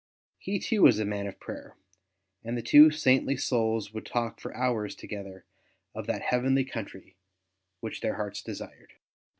He, too, was a man of prayer, and the two saintly souls would talk for hours together of that heavenly country which their hearts desired.